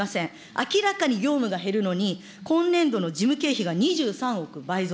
明らかに業務が減るのに、今年度の事務経費が２３億倍増。